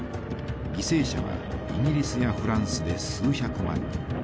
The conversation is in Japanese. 犠牲者はイギリスやフランスで数百万人。